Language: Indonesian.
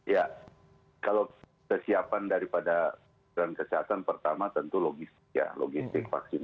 ya kalau kesiapan daripada kesehatan pertama tentu logistik vaksin